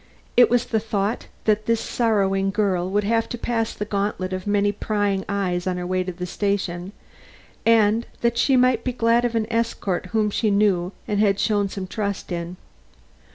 It was the thought that this sorrowing girl would have to pass the gauntlet of many prying eyes on her way to the station and that she might be glad of an escort whom she knew and had shown some trust in.